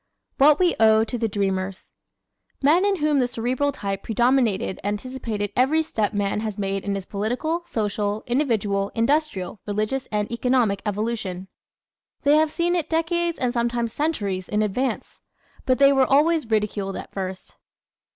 What We Owe to the Dreamers ¶ Men in whom the Cerebral type predominated anticipated every step man has made in his political, social, individual, industrial, religious and economic evolution. They have seen it decades and sometimes centuries in advance. But they were always ridiculed at first.